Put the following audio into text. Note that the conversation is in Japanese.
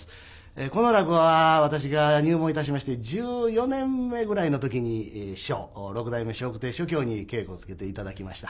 この落語は私が入門いたしまして１４年目ぐらいの時に師匠六代目笑福亭松喬に稽古をつけて頂きました。